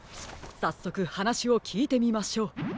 さっそくはなしをきいてみましょう。